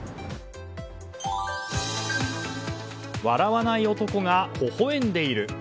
笑わない男がほほ笑んでいる。